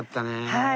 はい。